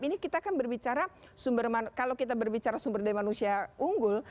ini kita kan berbicara sumber daya manusia unggul